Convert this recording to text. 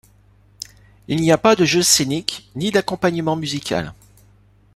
Il n’y a pas de jeu scénique, ni d’accompagnement musical.